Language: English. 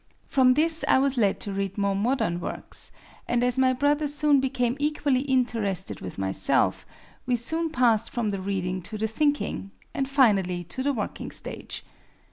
From this I was led to read more modern works, and as my brother soon became equally interested with myself, we soon passed from the reading to the thinking, and finally to the working stage.